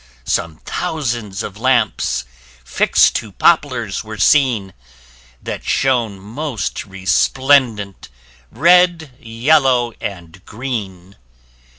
Some thousands of lamps, fix'd to poplars were seen, That shone most resplendent, red, yellow, and green.